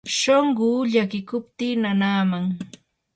shunquu llakiykupti nanaman.